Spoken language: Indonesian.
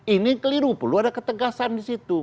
ini keliru perlu ada ketegasan di situ